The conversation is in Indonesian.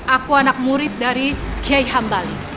aku anak murid dari kiai hambali